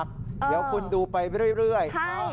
เดี๋ยวคุณดูไปเรื่อย